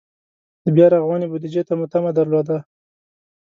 د بیا رغونې بودجې ته مو تمه درلوده.